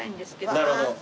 なるほど。